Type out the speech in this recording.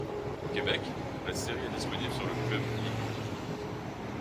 Au Québec, la série est disponible sur le Club illico.